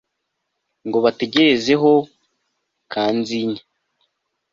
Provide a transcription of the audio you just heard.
ngo bategerezeho kanzinya